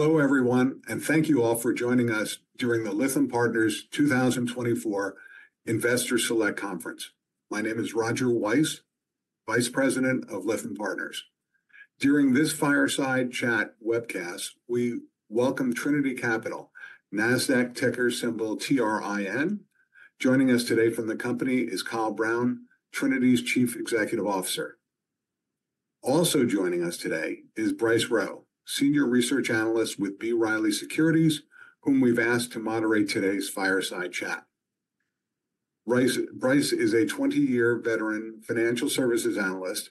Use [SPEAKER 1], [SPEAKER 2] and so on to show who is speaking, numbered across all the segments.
[SPEAKER 1] Hello, everyone, and thank you all for joining us during the Lytham Partners 2024 Investor Select Conference. My name is Roger Weiss, Vice President of Lytham Partners. During this fireside chat webcast, we welcome Trinity Capital, NASDAQ ticker symbol TRIN. Joining us today from the company is Kyle Brown, Trinity's Chief Executive Officer. Also joining us today is Bryce Rowe, Senior Research Analyst with B. Riley Securities, whom we've asked to moderate today's fireside chat. Bryce, Bryce is a 20-year veteran financial services analyst,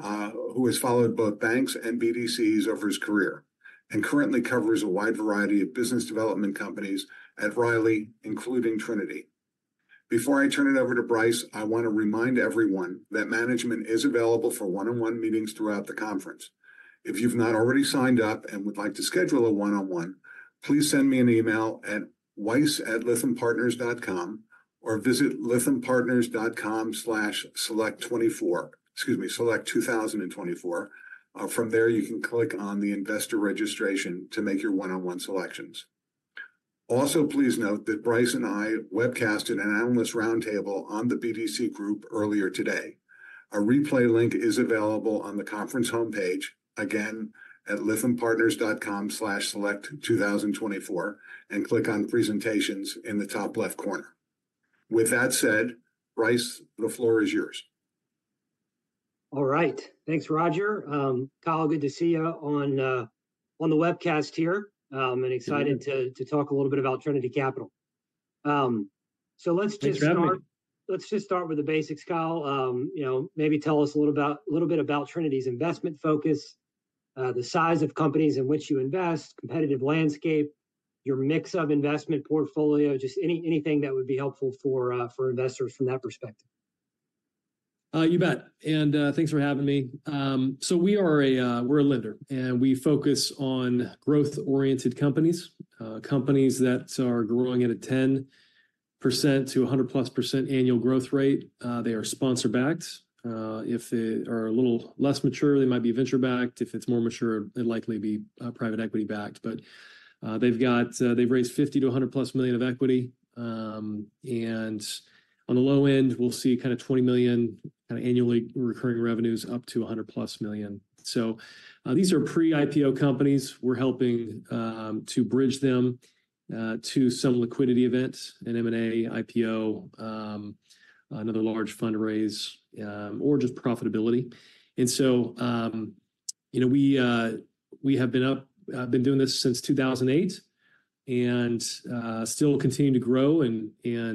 [SPEAKER 1] who has followed both banks and BDCs over his career and currently covers a wide variety of business development companies at Riley, including Trinity. Before I turn it over to Bryce, I want to remind everyone that management is available for one-on-one meetings throughout the conference. If you've not already signed up and would like to schedule a one-on-one, please send me an email at weiss@lythampartners.com or visit lythampartners.com/select2024, excuse me, select 2024. From there, you can click on the investor registration to make your one-on-one selections. Also, please note that Bryce and I webcasted an analyst roundtable on the BDC group earlier today. A replay link is available on the conference homepage, again, at lythampartners.com/select2024, and click on Presentations in the top left corner. With that said, Bryce, the floor is yours.
[SPEAKER 2] All right. Thanks, Roger. Kyle, good to see you on the webcast here, and excited to talk a little bit about Trinity Capital. So let's just start-
[SPEAKER 3] Thanks for having me.
[SPEAKER 2] Let's just start with the basics, Kyle. You know, maybe tell us a little bit about Trinity's investment focus, the size of companies in which you invest, competitive landscape, your mix of investment portfolio, just any, anything that would be helpful for, for investors from that perspective.
[SPEAKER 3] You bet. And thanks for having me. So we're a lender, and we focus on growth-oriented companies, companies that are growing at a 10%-100%+ annual growth rate. They are sponsor-backed. If they are a little less mature, they might be venture-backed. If it's more mature, they'd likely be private equity-backed. But they've raised $50 million-$100+ million of equity. And on the low end, we'll see kind of $20 million annually recurring revenues up to $100+ million. So these are pre-IPO companies. We're helping to bridge them to some liquidity event, an M&A, IPO, another large fundraise, or just profitability. So, you know, we have been doing this since 2008 and still continue to grow and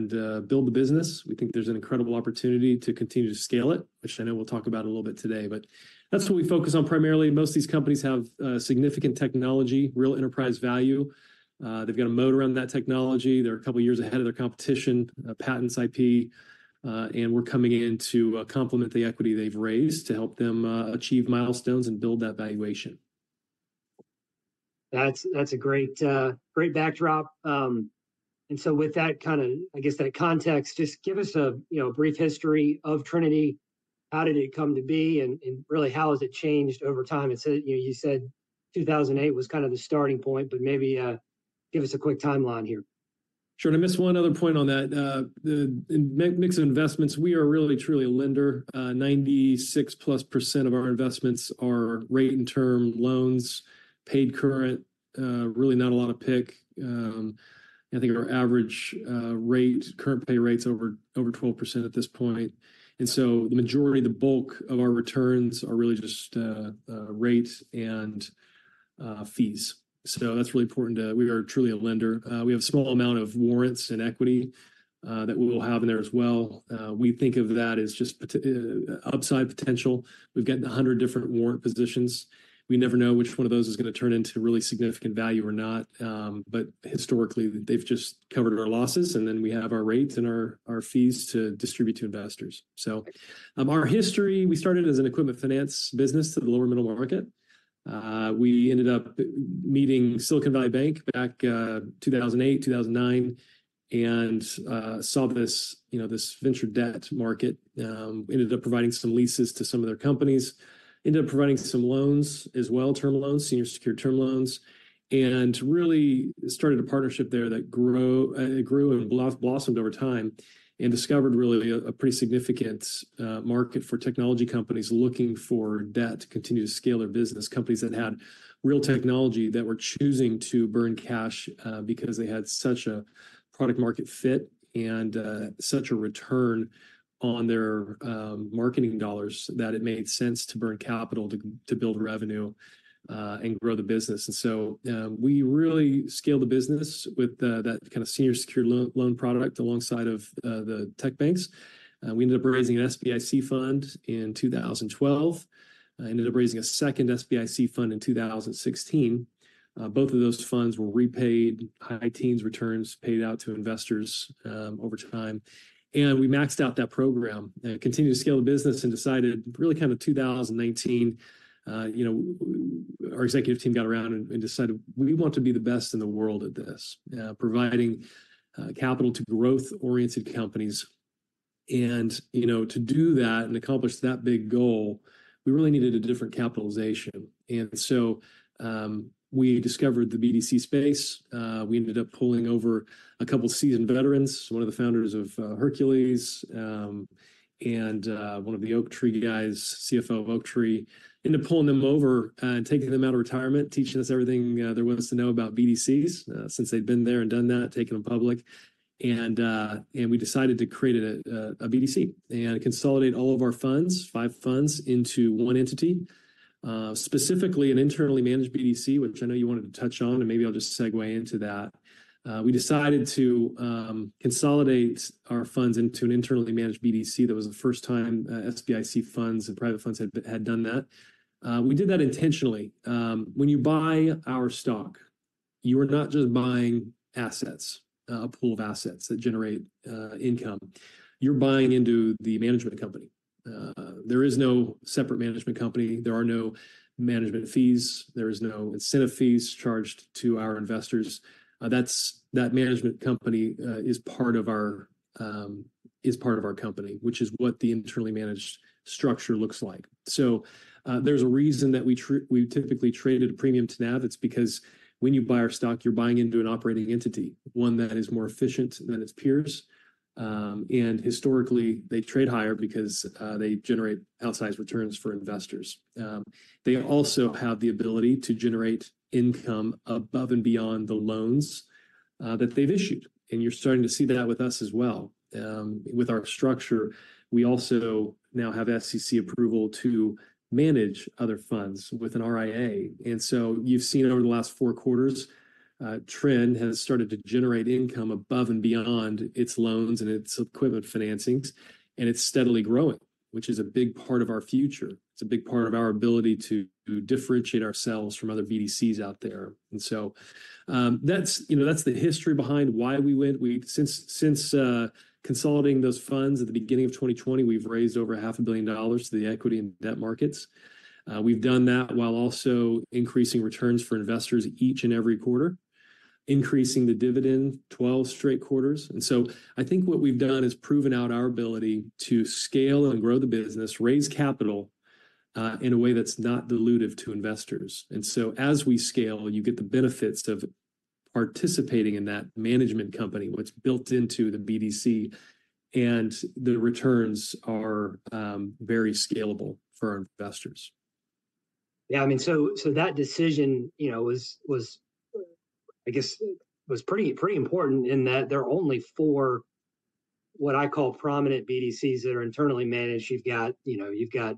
[SPEAKER 3] build the business. We think there's an incredible opportunity to continue to scale it, which I know we'll talk about a little bit today. But that's what we focus on primarily. Most of these companies have significant technology, real enterprise value. They've got a moat around that technology. They're a couple of years ahead of their competition, patents, IP, and we're coming in to complement the equity they've raised to help them achieve milestones and build that valuation.
[SPEAKER 2] That's a great, great backdrop. And so with that kind of, I guess, that context, just give us a, you know, brief history of Trinity. How did it come to be, and really, how has it changed over time? And so, you know, you said 2008 was kind of the starting point, but maybe give us a quick timeline here.
[SPEAKER 3] Sure. And I missed one other point on that. The mix of investments, we are really, truly a lender. Ninety-six plus percent of our investments are rate and term loans, paid current, really not a lot of PIK. I think our average rate, current pay rate's over 12% at this point. And so the majority, the bulk of our returns are really just rate and fees. So that's really important. We are truly a lender. We have a small amount of warrants and equity that we will have in there as well. We think of that as just upside potential. We've got 100 different warrant positions. We never know which one of those is going to turn into really significant value or not. But historically, they've just covered our losses, and then we have our rates and our fees to distribute to investors. So, our history, we started as an equipment finance business to the lower middle market. We ended up meeting Silicon Valley Bank back, 2008, 2009, and saw this, you know, this venture debt market. Ended up providing some leases to some of their companies, ended up providing some loans as well, term loans, senior secured term loans, and really started a partnership there that grew and blossomed over time and discovered really a pretty significant market for technology companies looking for debt to continue to scale their business. Companies that had real technology that were choosing to burn cash, because they had such a product-market fit and such a return on their marketing dollars, that it made sense to burn capital to build revenue, and grow the business. And so, we really scaled the business with that kind of senior secured loan product alongside of the tech banks. We ended up raising an SBIC fund in 2012. Ended up raising a second SBIC fund in 2016. Both of those funds were repaid, high-teens returns paid out to investors, over time. And we maxed out that program, continued to scale the business and decided, really kind of 2019, you know, we, our executive team got around and decided we want to be the best in the world at this, providing capital to growth-oriented companies... and, you know, to do that and accomplish that big goal, we really needed a different capitalization. And so, we discovered the BDC space. We ended up pulling over a couple seasoned veterans, one of the founders of Hercules, and one of the Oaktree guys, CFO of Oaktree, into pulling them over and taking them out of retirement, teaching us everything there was to know about BDCs, since they'd been there and done that, taking them public. We decided to create a BDC and consolidate all of our funds, five funds into one entity. Specifically, an internally managed BDC, which I know you wanted to touch on, and maybe I'll just segue into that. We decided to consolidate our funds into an internally managed BDC. That was the first time SBIC funds and private funds had done that. We did that intentionally. When you buy our stock, you are not just buying assets, a pool of assets that generate income. You're buying into the management company. There is no separate management company. There are no management fees. There is no incentive fees charged to our investors. That management company is part of our company, which is what the internally managed structure looks like. So, there's a reason that we typically trade at a premium to NAV. It's because when you buy our stock, you're buying into an operating entity, one that is more efficient than its peers. And historically, they trade higher because they generate outsized returns for investors. They also have the ability to generate income above and beyond the loans that they've issued, and you're starting to see that with us as well. With our structure, we also now have SEC approval to manage other funds with an RIA. And so you've seen over the last Q4, Trinity has started to generate income above and beyond its loans and its equipment financings, and it's steadily growing, which is a big part of our future. It's a big part of our ability to differentiate ourselves from other BDCs out there. That's, you know, that's the history behind why we went. Since consolidating those funds at the beginning of 2020, we've raised over $500 million to the equity and debt markets. We've done that while also increasing returns for investors each and every quarter, increasing the dividend 12 straight quarters. I think what we've done is proven out our ability to scale and grow the business, raise capital in a way that's not dilutive to investors. As we scale, you get the benefits of participating in that management company, what's built into the BDC, and the returns are very scalable for our investors.
[SPEAKER 2] Yeah, I mean, so that decision, you know, was, I guess, was pretty important in that there are only four what I call prominent BDCs that are internally managed. You've got, you know, you've got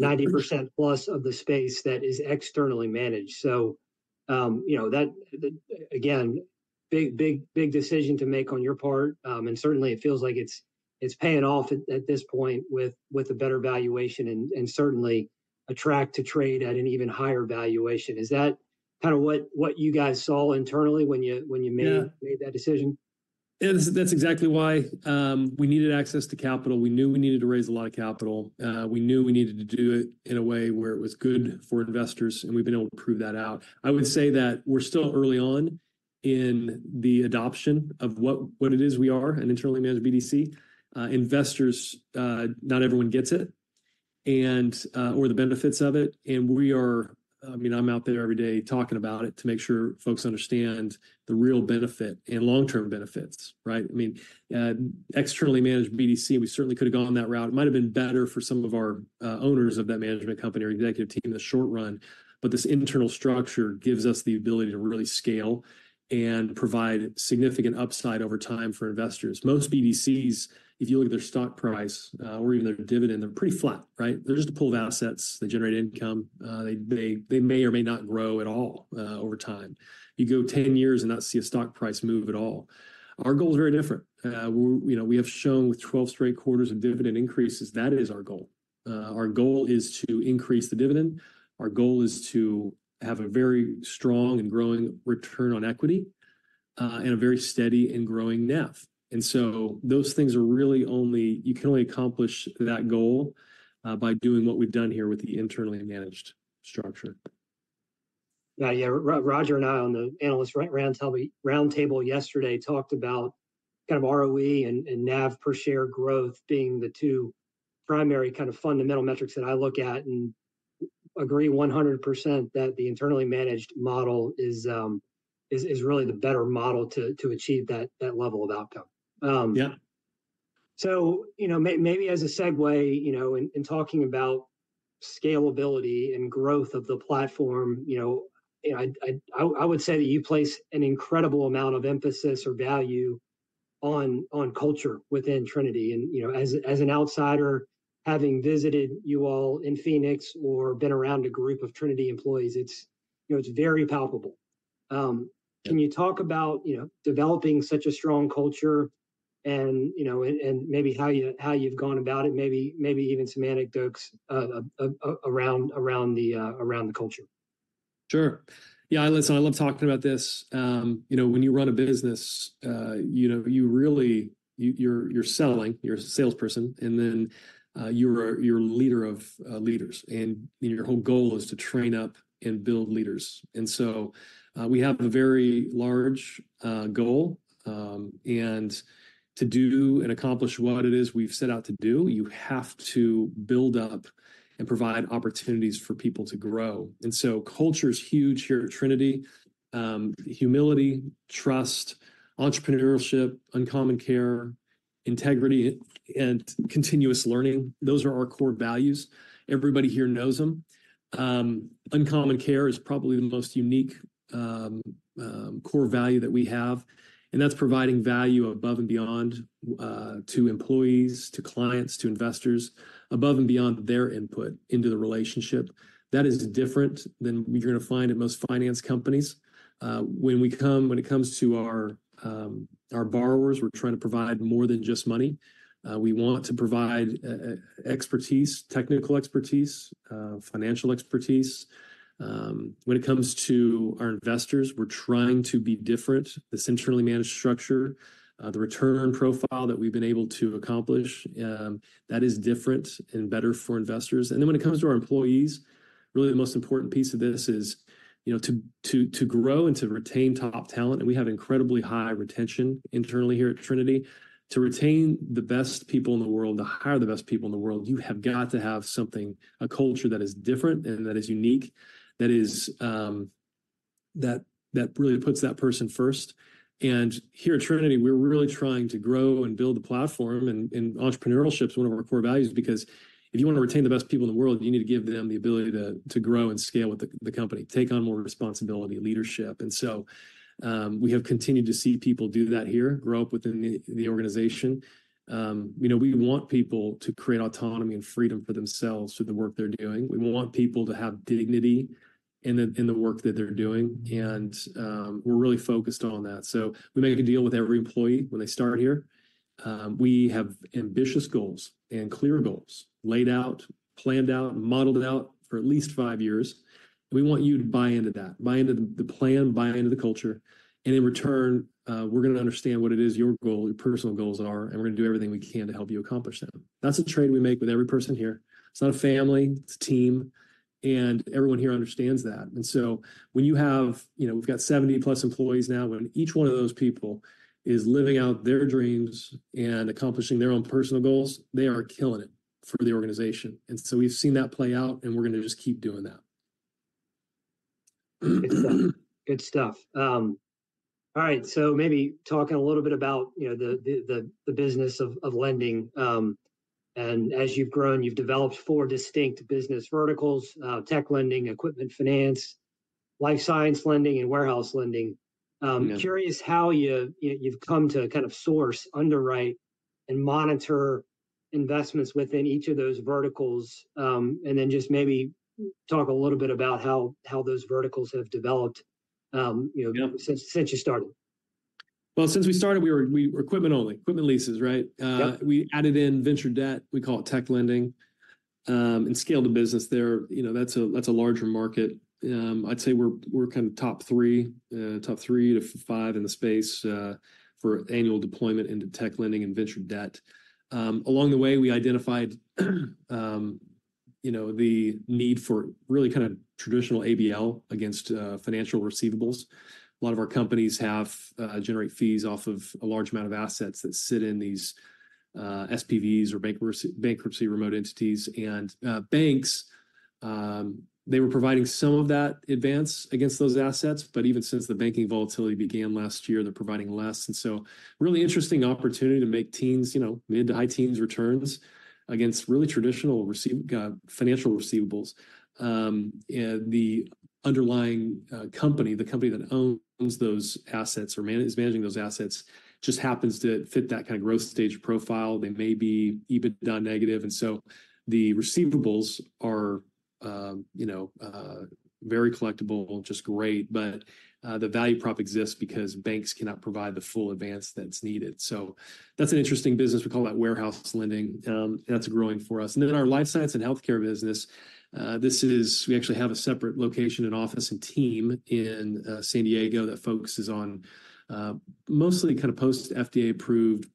[SPEAKER 2] 90% plus of the space that is externally managed. So, you know, that the again big decision to make on your part. And certainly, it feels like it's paying off at this point with a better valuation and certainly a track to trade at an even higher valuation. Is that kind of what you guys saw internally when you made-
[SPEAKER 3] Yeah...
[SPEAKER 2] made that decision?
[SPEAKER 3] Yeah, that's, that's exactly why. We needed access to capital, we knew we needed to raise a lot of capital. We knew we needed to do it in a way where it was good for investors, and we've been able to prove that out. I would say that we're still early on in the adoption of what, what it is we are, an internally managed BDC. Investors, not everyone gets it and... or the benefits of it, and we are, I mean, I'm out there every day talking about it to make sure folks understand the real benefit and long-term benefits, right? I mean, externally managed BDC, we certainly could have gone that route. It might have been better for some of our owners of that management company or executive team in the short run, but this internal structure gives us the ability to really scale and provide significant upside over time for investors. Most BDCs, if you look at their stock price, or even their dividend, they're pretty flat, right? They're just a pool of assets that generate income. They may or may not grow at all, over time. You go 10 years and not see a stock price move at all. Our goal is very different. We're, you know, we have shown with 12 straight quarters of dividend increases, that is our goal. Our goal is to increase the dividend. Our goal is to have a very strong and growing return on equity, and a very steady and growing NAV. And so those things are really, you can only accomplish that goal by doing what we've done here with the internally managed structure.
[SPEAKER 2] Yeah. Yeah. Roger and I on the analyst roundtable yesterday talked about kind of ROE and NAV per share growth being the two primary kind of fundamental metrics that I look at, and agree 100% that the internally managed model is really the better model to achieve that level of outcome.
[SPEAKER 3] Yeah.
[SPEAKER 2] So, you know, maybe as a segue, you know, in talking about scalability and growth of the platform, you know, I would say that you place an incredible amount of emphasis or value on culture within Trinity and, you know, as an outsider, having visited you all in Phoenix or been around a group of Trinity employees, it's, you know, it's very palpable. Can you talk about, you know, developing such a strong culture and, you know, and maybe how you, how you've gone about it, maybe even some anecdotes around the culture?...
[SPEAKER 3] Sure. Yeah, I listen, I love talking about this. You know, when you run a business, you know, you really, you're selling, you're a salesperson, and then, you're a leader of leaders, and your whole goal is to train up and build leaders. And so, we have a very large goal, and to do and accomplish what it is we've set out to do, you have to build up and provide opportunities for people to grow. And so culture is huge here at Trinity. Humility, trust, entrepreneurship, uncommon care, integrity, and continuous learning, those are our core values. Everybody here knows them. Uncommon Care is probably the most unique core value that we have, and that's providing value above and beyond to employees, to clients, to investors, above and beyond their input into the relationship. That is different than you're gonna find at most finance companies. When it comes to our borrowers, we're trying to provide more than just money. We want to provide expertise, technical expertise, financial expertise. When it comes to our investors, we're trying to be different. This internally managed structure, the return profile that we've been able to accomplish, that is different and better for investors. And then when it comes to our employees, really the most important piece of this is, you know, to grow and to retain top talent, and we have incredibly high retention internally here at Trinity. To retain the best people in the world, to hire the best people in the world, you have got to have something, a culture that is different and that is unique, that really puts that person first. And here at Trinity, we're really trying to grow and build the platform, and entrepreneurship is one of our core values, because if you wanna retain the best people in the world, you need to give them the ability to grow and scale with the company, take on more responsibility, leadership. And so, we have continued to see people do that here, grow up within the organization. You know, we want people to create autonomy and freedom for themselves through the work they're doing. We want people to have dignity in the work that they're doing, and we're really focused on that. So we make a deal with every employee when they start here. We have ambitious goals and clear goals laid out, planned out, modeled out for at least five years. We want you to buy into that, buy into the plan, buy into the culture, and in return, we're gonna understand what it is your goal, your personal goals are, and we're gonna do everything we can to help you accomplish them. That's a trade we make with every person here. It's not a family, it's a team, and everyone here understands that. And so when you have... You know, we've got 70-plus employees now, when each one of those people is living out their dreams and accomplishing their own personal goals, they are killing it for the organization. And so we've seen that play out, and we're gonna just keep doing that.
[SPEAKER 2] Good stuff. All right, so maybe talking a little bit about, you know, the business of lending, and as you've grown, you've developed four distinct business verticals: tech lending, equipment finance, life sciences lending, and warehouse lending.
[SPEAKER 3] Yeah.
[SPEAKER 2] I'm curious how you, you've come to kind of source, underwrite, and monitor investments within each of those verticals, and then just maybe talk a little bit about how, how those verticals have developed, you know-
[SPEAKER 3] Yeah...
[SPEAKER 2] since you started.
[SPEAKER 3] Well, since we started, we were equipment-only, equipment leases, right?
[SPEAKER 2] Yep.
[SPEAKER 3] We added in venture debt, we call it tech lending, and scaled the business there. You know, that's a larger market. I'd say we're kind of top 3-5 in the space for annual deployment into tech lending and venture debt. Along the way, we identified you know, the need for really kind of traditional ABL against financial receivables. A lot of our companies have generate fees off of a large amount of assets that sit in these SPVs or bankruptcy remote entities. And banks, they were providing some of that advance against those assets, but even since the banking volatility began last year, they're providing less. And so really interesting opportunity to make teens, you know, mid- to high-teens returns against really traditional financial receivables. And the underlying company, the company that owns those assets or managing those assets, just happens to fit that kind of growth stage profile. They may be EBITDA negative, and so the receivables are, you know, very collectible, just great, but the value prop exists because banks cannot provide the full advance that's needed. So that's an interesting business. We call that warehouse lending, and that's growing for us. And then our life science and healthcare business, we actually have a separate location and office and team in San Diego that focuses on mostly kind of post-FDA-approved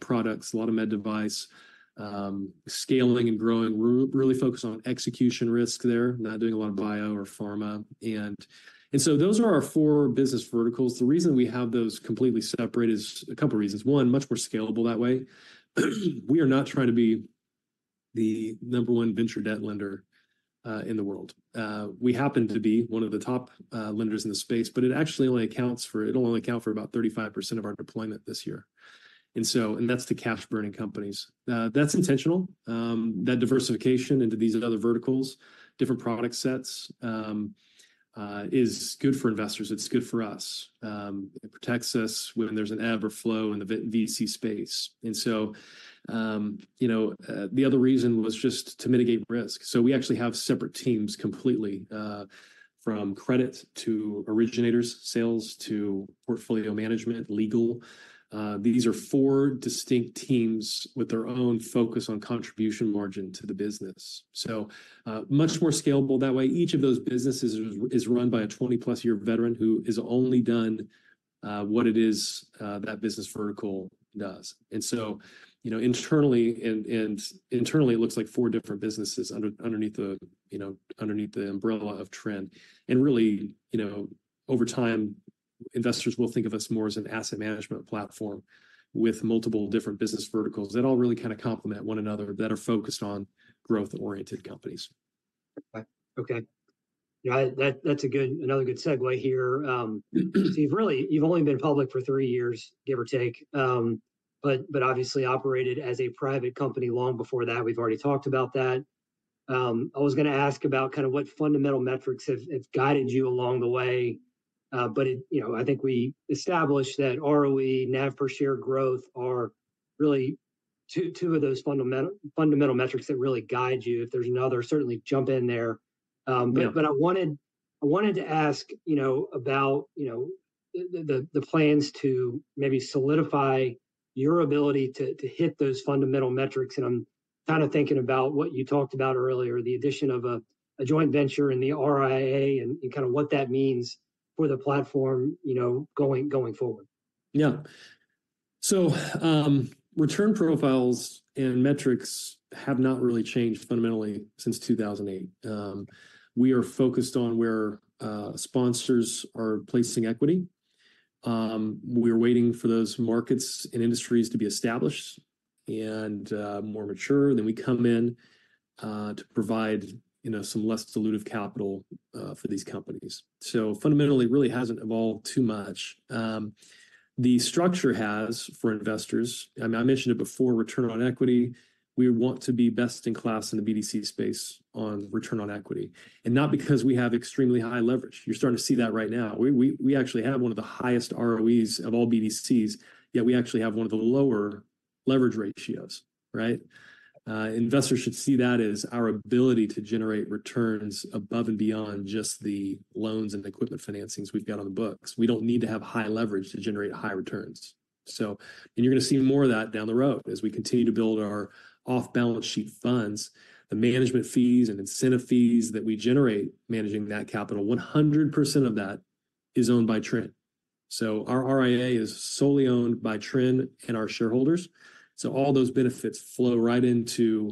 [SPEAKER 3] products, a lot of med device, scaling and growing. We're really focused on execution risk there, not doing a lot of bio or pharma. And so those are our four business verticals. The reason we have those completely separate is a couple reasons. One, much more scalable that way. We are not trying to be the number one venture debt lender in the world. We happen to be one of the top lenders in the space, but it actually only accounts for, it'll only account for about 35% of our deployment this year. And so, and that's the cash-burning companies. That's intentional. That diversification into these other verticals, different product sets, is good for investors. It's good for us. It protects us when there's an ebb or flow in the VC space. And so, you know, the other reason was just to mitigate risk. So we actually have separate teams completely, from credit to originators, sales to portfolio management, legal. These are four distinct teams with their own focus on contribution margin to the business. So, much more scalable that way. Each of those businesses is run by a 20+-year veteran who has only done what it is that business vertical does. And so, you know, internally and internally, it looks like four different businesses underneath the, you know, underneath the umbrella of Trinity. And really, you know, over time, investors will think of us more as an asset management platform with multiple different business verticals that all really kind of complement one another, that are focused on growth-oriented companies.
[SPEAKER 2] Okay. Yeah, that's another good segue here. So you've really only been public for three years, give or take, but obviously operated as a private company long before that. We've already talked about that. I was going to ask about kind of what fundamental metrics have guided you along the way, but you know, I think we established that ROE, NAV per share growth are really two of those fundamental metrics that really guide you. If there's another, certainly jump in there.
[SPEAKER 3] Yeah.
[SPEAKER 2] But I wanted to ask, you know, about, you know, the plans to maybe solidify your ability to hit those fundamental metrics, and I'm kind of thinking about what you talked about earlier, the addition of a joint venture in the RIA and kind of what that means for the platform, you know, going forward.
[SPEAKER 3] Yeah. So, return profiles and metrics have not really changed fundamentally since 2008. We are focused on where sponsors are placing equity. We're waiting for those markets and industries to be established and more mature, then we come in to provide, you know, some less dilutive capital for these companies. So fundamentally, it really hasn't evolved too much. The structure has for investors, I mean, I mentioned it before, return on equity, we want to be best in class in the BDC space on return on equity, and not because we have extremely high leverage. You're starting to see that right now. We actually have one of the highest ROEs of all BDCs, yet we actually have one of the lower leverage ratios, right? Investors should see that as our ability to generate returns above and beyond just the loans and equipment financings we've got on the books. We don't need to have high leverage to generate high returns. And you're going to see more of that down the road as we continue to build our off-balance sheet funds. The management fees and incentive fees that we generate managing that capital, 100% of that is owned by Trin. So our RIA is solely owned by Trin and our shareholders, so all those benefits flow right into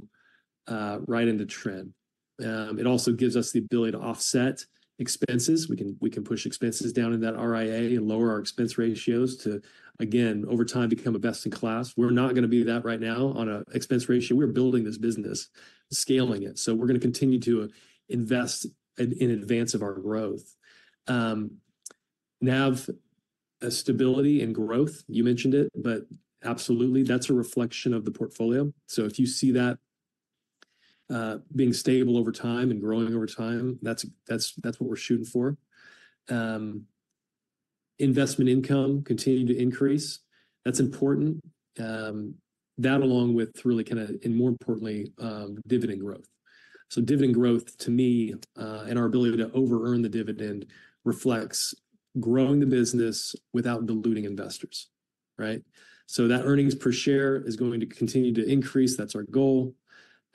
[SPEAKER 3] right into Trin. It also gives us the ability to offset expenses. We can push expenses down in that RIA and lower our expense ratios to, again, over time, become a best-in-class. We're not going to be that right now on a expense ratio. We're building this business, scaling it, so we're going to continue to invest in advance of our growth. NAV stability and growth, you mentioned it, but absolutely, that's a reflection of the portfolio. So if you see that being stable over time and growing over time, that's what we're shooting for. Investment income continuing to increase, that's important. That along with really kind of, and more importantly, dividend growth. So dividend growth, to me, and our ability to over earn the dividend reflects growing the business without diluting investors, right? So that earnings per share is going to continue to increase. That's our goal.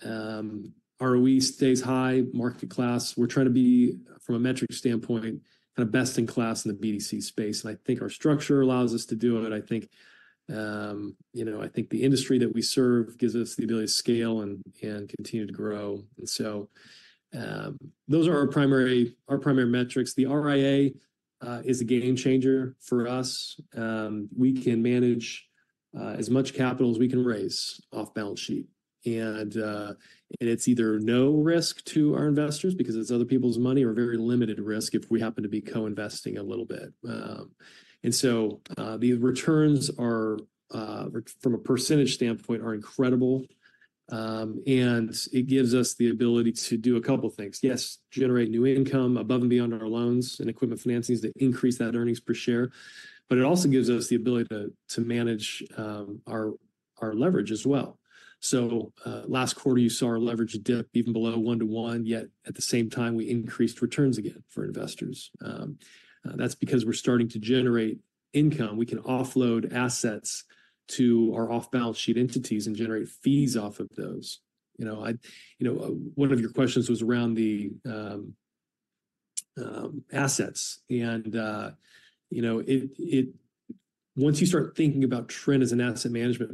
[SPEAKER 3] ROE stays high, market class. We're trying to be, from a metric standpoint, kind of best in class in the BDC space, and I think our structure allows us to do it. I think, you know, I think the industry that we serve gives us the ability to scale and continue to grow. So, those are our primary metrics. The RIA is a game changer for us. We can manage as much capital as we can raise off balance sheet. And it's either no risk to our investors because it's other people's money, or very limited risk if we happen to be co-investing a little bit. So, the returns are, from a percentage standpoint, incredible, and it gives us the ability to do a couple things. Yes, generate new income above and beyond our loans and equipment financings that increase that earnings per share, but it also gives us the ability to manage our leverage as well. So, last quarter, you saw our leverage dip even below 1 to 1, yet at the same time, we increased returns again for investors. That's because we're starting to generate income. We can offload assets to our off-balance sheet entities and generate fees off of those. You know, you know, one of your questions was around the, assets, and, you know, once you start thinking about Trin as an asset management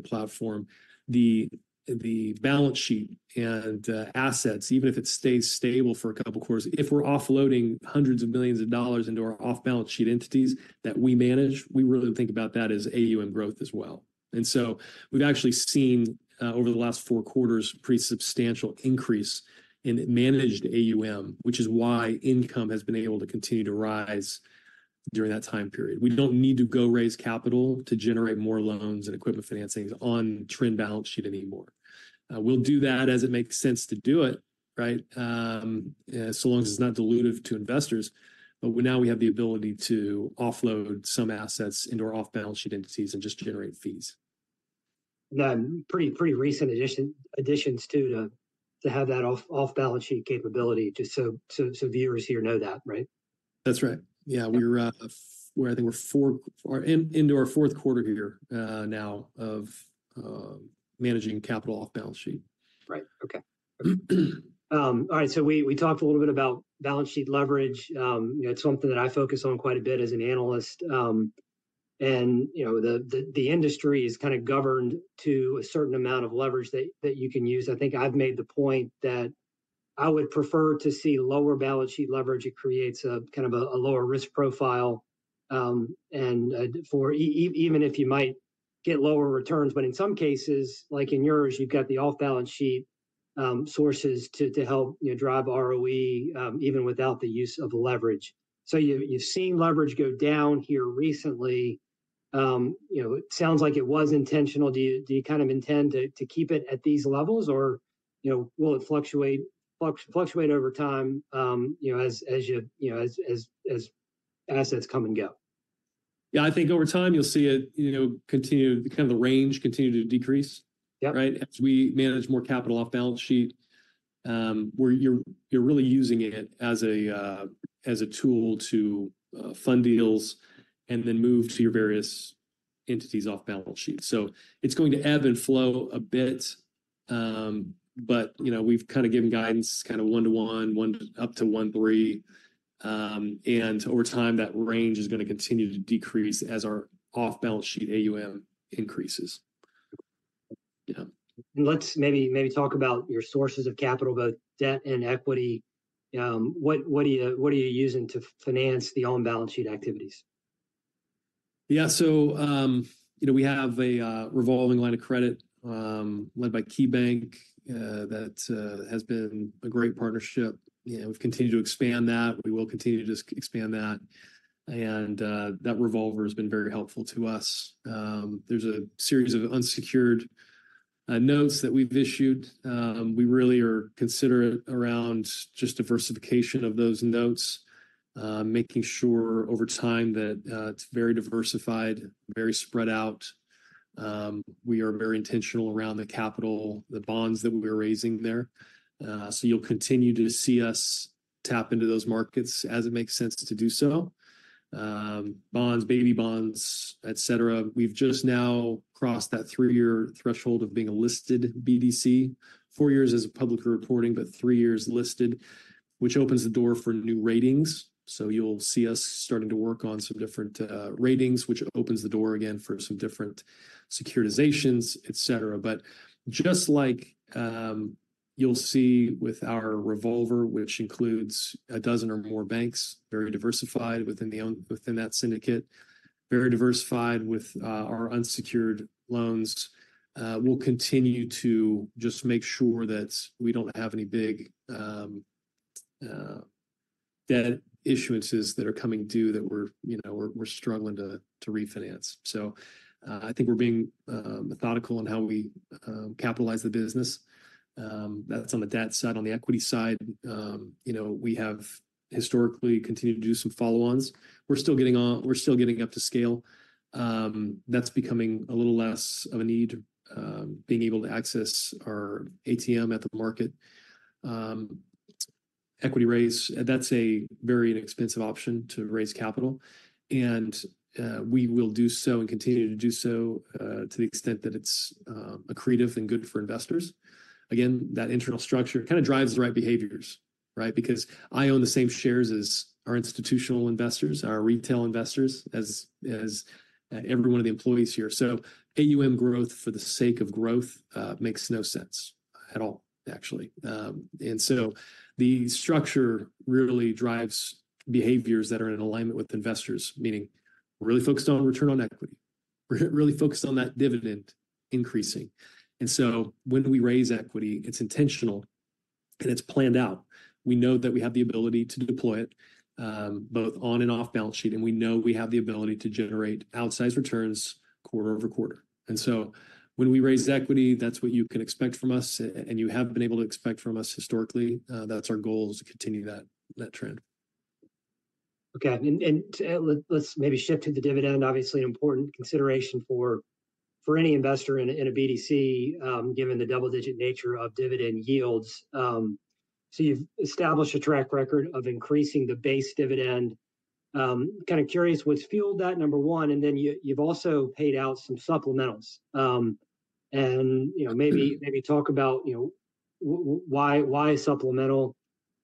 [SPEAKER 3] platform, the balance sheet and, assets, even if it stays stable for a couple quarters, if we're offloading hundreds of billions of dollars into our off-balance sheet entities that we manage, we really think about that as AUM growth as well. And so we've actually seen over the last four quarters, pretty substantial increase in managed AUM, which is why income has been able to continue to rise during that time period. We don't need to go raise capital to generate more loans and equipment financings on Trin balance sheet anymore. We'll do that as it makes sense to do it, right? So long as it's not dilutive to investors, but now we have the ability to offload some assets into our off-balance sheet entities and just generate fees.
[SPEAKER 2] Yeah, pretty recent additions too, to have that off-balance sheet capability, just so viewers here know that, right?
[SPEAKER 3] That's right. Yeah, we're, I think we're into our fourth quarter year now of managing capital off balance sheet.
[SPEAKER 2] Right. Okay. All right, so we talked a little bit about balance sheet leverage. You know, it's something that I focus on quite a bit as an analyst. And, you know, the industry is kind of governed to a certain amount of leverage that you can use. I think I've made the point that I would prefer to see lower balance sheet leverage. It creates a kind of a lower risk profile, and for even if you might get lower returns. But in some cases, like in yours, you've got the off-balance sheet sources to help, you know, drive ROE, even without the use of leverage. So you've seen leverage go down here recently, you know, it sounds like it was intentional. Do you kind of intend to keep it at these levels, or, you know, will it fluctuate over time, you know, as assets come and go?
[SPEAKER 3] Yeah, I think over time you'll see it, you know, continue, kind of the range continue to decrease-
[SPEAKER 2] Yeah.
[SPEAKER 3] Right? As we manage more capital off-balance-sheet, where you're really using it as a tool to fund deals and then move to your various entities off-balance-sheet. So it's going to ebb and flow a bit, but, you know, we've kind of given guidance kind of 1-to-1, 1-to up to 1.3, and over time, that range is going to continue to decrease as our off-balance-sheet AUM increases. Yeah.
[SPEAKER 2] Let's maybe talk about your sources of capital, both debt and equity. What are you using to finance the on-balance sheet activities?
[SPEAKER 3] Yeah. So, you know, we have a revolving line of credit, led by KeyBank, that has been a great partnership, and we've continued to expand that. We will continue to just expand that, and that revolver has been very helpful to us. There's a series of unsecured notes that we've issued. We really are considerate around just diversification of those notes, making sure over time that it's very diversified, very spread out. We are very intentional around the capital, the bonds that we're raising there. So you'll continue to see us tap into those markets as it makes sense to do so. Bonds, baby bonds, et cetera. We've just now crossed that three-year threshold of being a listed BDC. Four years as a public reporting, but three years listed, which opens the door for new ratings. So you'll see us starting to work on some different, ratings, which opens the door again for some different securitizations, et cetera. But just like, you'll see with our revolver, which includes 12 or more banks, very diversified within that syndicate, very diversified with, our unsecured loans, we'll continue to just make sure that we don't have any big, debt issuances that are coming due that we're, you know, struggling to refinance. So, I think we're being, methodical in how we, capitalize the business. That's on the debt side. On the equity side, you know, we have historically continued to do some follow-ons. We're still getting up to scale. That's becoming a little less of a need, being able to access our ATM at the market. Equity raise, that's a very inexpensive option to raise capital, and we will do so and continue to do so, to the extent that it's accretive and good for investors. Again, that internal structure kind of drives the right behaviors, right? Because I own the same shares as our institutional investors, our retail investors, as every one of the employees here. So AUM growth for the sake of growth makes no sense at all, actually. And so the structure really drives behaviors that are in alignment with investors, meaning we're really focused on return on equity. We're really focused on that dividend increasing. And so when we raise equity, it's intentional, and it's planned out. We know that we have the ability to deploy it both on and off balance sheet, and we know we have the ability to generate outsized returns quarter-over-quarter. And so when we raise equity, that's what you can expect from us, and you have been able to expect from us historically. That's our goal is to continue that trend.
[SPEAKER 2] Okay, let's maybe shift to the dividend. Obviously, an important consideration for any investor in a BDC, given the double-digit nature of dividend yields. So you've established a track record of increasing the base dividend. Kind of curious what's fueled that, number one, and then you've also paid out some supplementals. And, you know, maybe talk about, you know, why supplemental?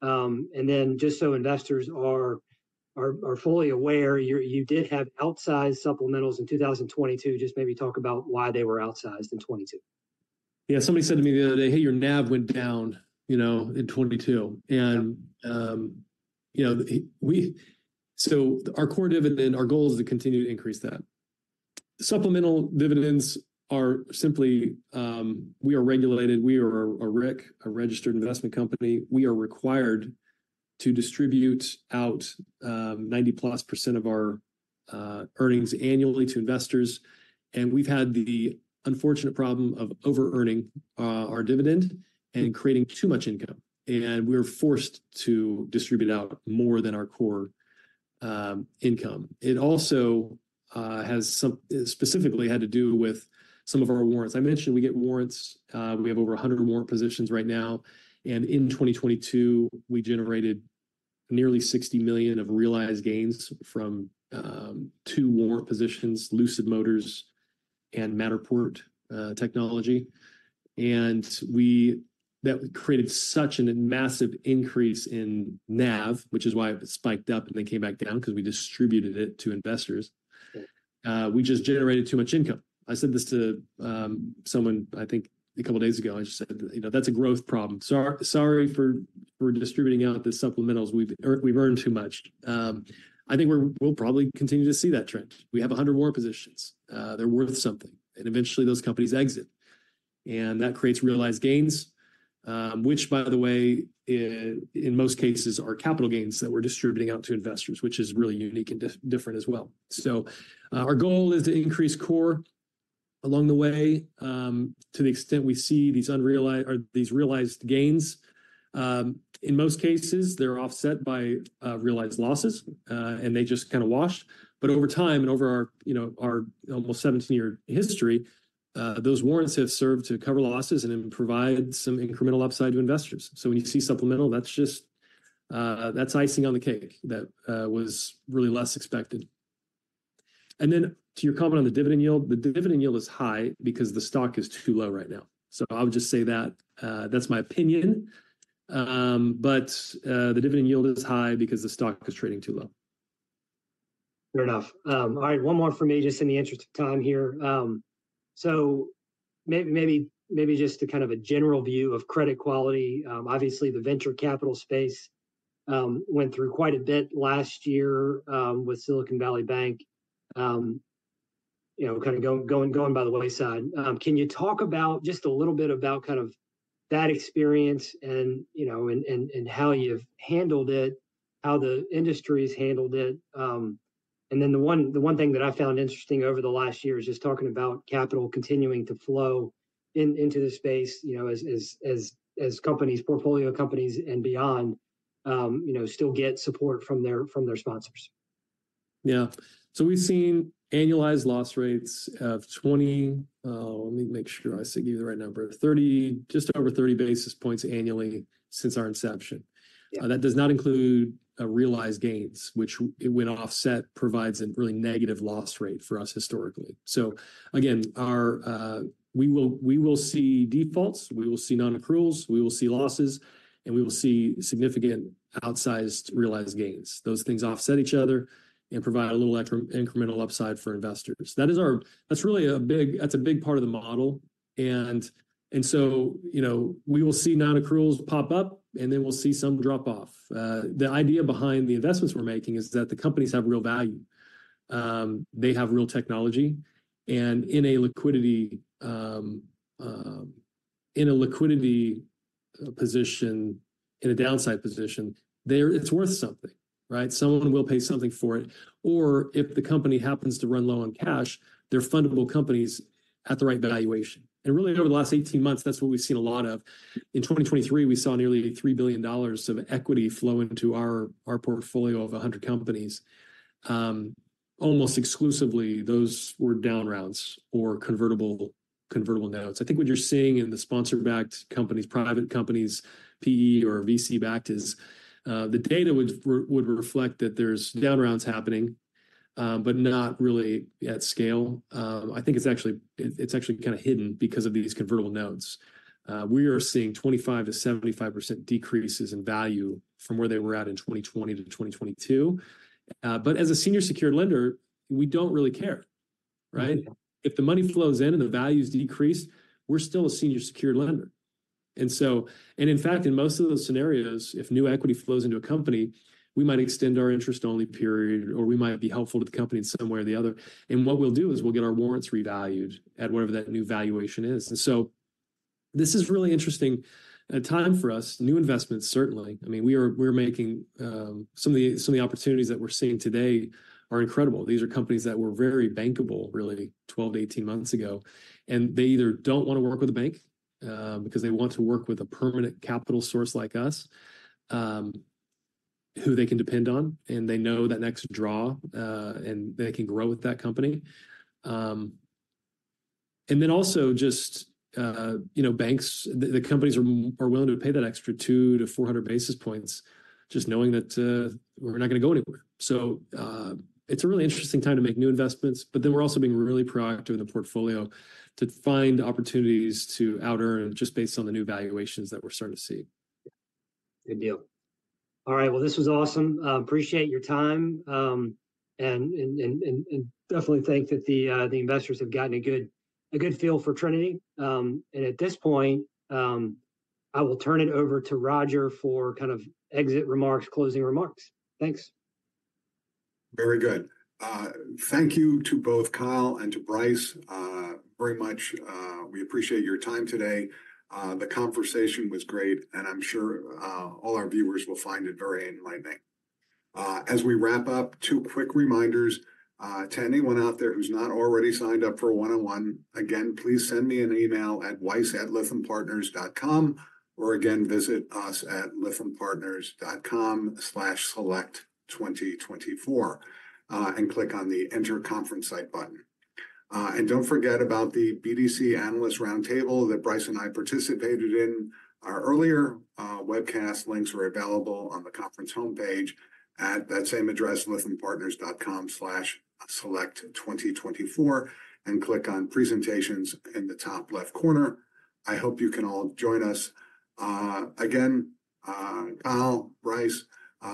[SPEAKER 2] And then just so investors are fully aware, you did have outsized supplementals in 2022. Just maybe talk about why they were outsized in 2022.
[SPEAKER 3] Yeah, somebody said to me the other day, "Hey, your NAV went down, you know, in 2022.
[SPEAKER 2] Yeah.
[SPEAKER 3] You know, so our core dividend, our goal is to continue to increase that. Supplemental dividends are simply, we are regulated, we are a RIC, a registered investment company. We are required to distribute out, ninety-plus percent of our earnings annually to investors, and we've had the unfortunate problem of over-earning our dividend and creating too much income, and we're forced to distribute out more than our core income. It also has some specifically had to do with some of our warrants. I mentioned we get warrants. We have over 100 warrant positions right now, and in 2022, we generated nearly $60 million of realized gains from two warrant positions, Lucid Motors and Matterport technology. That created such a massive increase in NAV, which is why it spiked up and then came back down, 'cause we distributed it to investors.
[SPEAKER 2] Yeah.
[SPEAKER 3] We just generated too much income. I said this to someone, I think a couple of days ago, I just said, "You know, that's a growth problem. Sorry for distributing out the supplementals. We've earned too much." I think we'll probably continue to see that trend. We have 100 more positions. They're worth something, and eventually, those companies exit, and that creates realized gains. Which, by the way, in most cases, are capital gains that we're distributing out to investors, which is really unique and different as well. So, our goal is to increase core along the way. To the extent we see these unrealized or these realized gains, in most cases, they're offset by realized losses, and they just kind of wash. But over time and over our, you know, our almost 17-year history, those warrants have served to cover losses and then provide some incremental upside to investors. So when you see supplemental, that's just, that's icing on the cake. That was really less expected. And then to your comment on the dividend yield, the dividend yield is high because the stock is too low right now. So I'll just say that, that's my opinion. But, the dividend yield is high because the stock is trading too low.
[SPEAKER 2] Fair enough. All right, one more for me, just in the interest of time here. So maybe just to kind of a general view of credit quality. Obviously, the venture capital space went through quite a bit last year, with Silicon Valley Bank, you know, kind of going by the wayside. Can you talk about just a little bit about kind of that experience and, you know, and how you've handled it, how the industry's handled it... And then the one thing that I found interesting over the last year is just talking about capital continuing to flow into the space, you know, as companies, portfolio companies and beyond, you know, still get support from their sponsors.
[SPEAKER 3] Yeah. So we've seen annualized loss rates of 20, let me make sure I give you the right number. 30, just over 30 basis points annually since our inception.
[SPEAKER 2] Yeah.
[SPEAKER 3] That does not include realized gains, which when offset, provides a really negative loss rate for us historically. So again, we will, we will see defaults, we will see non-accruals, we will see losses, and we will see significant outsized realized gains. Those things offset each other and provide a little extra incremental upside for investors. That is our - that's really a big, that's a big part of the model, and, and so, you know, we will see non-accruals pop up, and then we'll see some drop off. The idea behind the investments we're making is that the companies have real value. They have real technology, and in a liquidity position, in a downside position, they're - it's worth something, right? Someone will pay something for it. Or if the company happens to run low on cash, they're fundable companies at the right valuation. And really, over the last 18 months, that's what we've seen a lot of. In 2023, we saw nearly $3 billion of equity flow into our portfolio of 100 companies. Almost exclusively, those were down rounds or convertible notes. I think what you're seeing in the sponsor-backed companies, private companies, PE or VC-backed, is the data would reflect that there's down rounds happening, but not really at scale. I think it's actually, it's actually kind of hidden because of these convertible notes. We are seeing 25%-75% decreases in value from where they were at in 2020 to 2022. But as a senior secured lender, we don't really care, right?
[SPEAKER 2] Yeah.
[SPEAKER 3] If the money flows in and the values decrease, we're still a senior secured lender. In fact, in most of those scenarios, if new equity flows into a company, we might extend our interest-only period, or we might be helpful to the company in some way or the other. What we'll do is we'll get our warrants revalued at whatever that new valuation is. This is really interesting, a time for us. New investments, certainly. I mean, we're making some of the opportunities that we're seeing today are incredible. These are companies that were very bankable really 12-18 months ago, and they either don't want to work with a bank, because they want to work with a permanent capital source like us, who they can depend on, and they know that next draw, and they can grow with that company. And then also just, you know, banks, the companies are willing to pay that extra 200-400 basis points, just knowing that, we're not gonna go anywhere. So, it's a really interesting time to make new investments, but then we're also being really proactive in the portfolio to find opportunities to outearn just based on the new valuations that we're starting to see.
[SPEAKER 2] Good deal. All right, well, this was awesome. Appreciate your time, and definitely think that the investors have gotten a good feel for Trinity. And at this point, I will turn it over to Roger for kind of exit remarks, closing remarks. Thanks.
[SPEAKER 1] Very good. Thank you to both Kyle and to Bryce, very much, we appreciate your time today. The conversation was great, and I'm sure all our viewers will find it very enlightening. As we wrap up, two quick reminders to anyone out there who's not already signed up for one-on-one, again, please send me an email at weiss@lythampartners.com, or again, visit us at lythampartners.com/select2024, and click on the Enter Conference Site button. And don't forget about the BDC Analyst Roundtable that Bryce and I participated in. Our earlier webcast links are available on the conference home page at that same address, lythampartners.com/select2024, and click on Presentations in the top left corner. I hope you can all join us. Again, Kyle, Bryce,